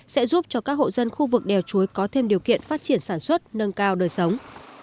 sẽ giúp cho các hộ dân khu vực đèo chuối có thêm điều kiện phát triển sản xuất nâng cao đời sống